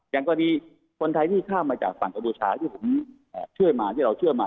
อย่างกว่านี้คนไทยที่ข้ามมาจากฝั่งโดรชาที่เรามา